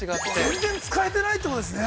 ◆全然使えてないってことですね。